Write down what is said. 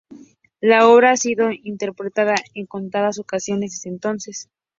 La obra ha sido interpretada en contadas ocasiones desde entonces.